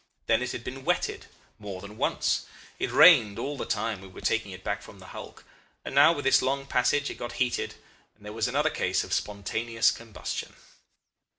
Then it had been wetted more than once. It rained all the time we were taking it back from the hulk, and now with this long passage it got heated, and there was another case of spontaneous combustion.